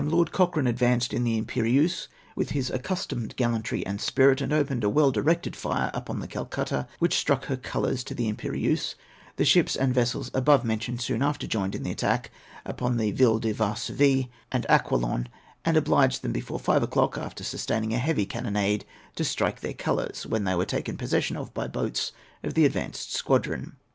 Lord Cochrane advanced in tlie Imperieuse, with his accus tomed gallantry and spirit, and opened a well directed fire upon the Calcutta, which struck her colours to the Im perieuse; the ships and vessels above mentioned soon after joined in the attack upon the Ville de Varsovic ^nd Aqu lion, and obliged them, before five o'clock, after sustaining a heavy cannonade, to strike their colours, when they were taken possession of l)y the l)oats of the advanced squadron.